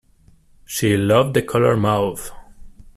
She loved the color mauve.